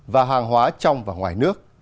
và hàng hóa trong và ngoài nước